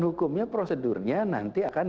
hukumnya prosedurnya nanti akan